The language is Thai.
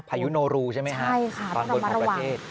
ภายุโนรูใช่ไหมครับความบนของประเทศใช่ค่ะนะคะต้องมาระวัง